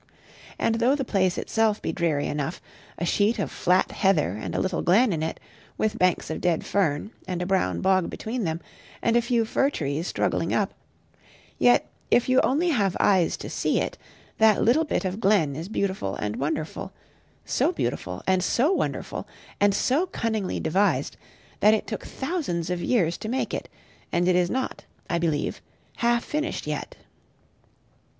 And though the place itself be dreary enough, a sheet of flat heather and a little glen in it, with banks of dead fern, and a brown bog between them, and a few fir trees struggling up yet, if you only have eyes to see it, that little bit of glen is beautiful and wonderful, so beautiful and so wonderful and so cunningly devised, that it took thousands of years to make it; and it is not, I believe, half finished yet.